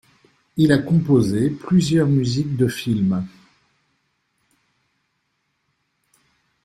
Il a composé plusieurs musiques de films.